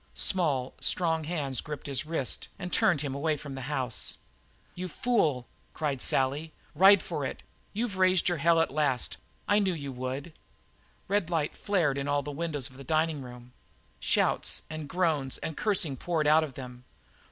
Small, strong hands gripped his wrists and turned him away from the house. "You fool!" cried Sally. "Ride for it! You've raised your hell at last I knew you would!" Red light flared in all the windows of the dining room; shouts and groans and cursing poured out of them.